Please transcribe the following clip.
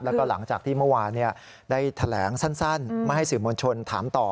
แล้วก็หลังจากที่เมื่อวานได้แถลงสั้นไม่ให้สื่อมวลชนถามต่อ